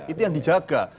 itu yang dijaga